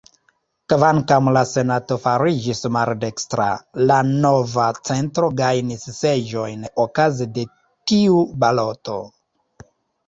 Kvankam la Senato fariĝis maldekstra, la Nova Centro gajnis seĝojn okaze de tiu baloto.